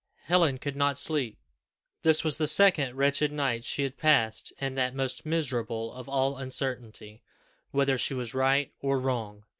Helen could not sleep: this was the second wretched night she had passed in that most miserable of all uncertainty whether she was right or wrong.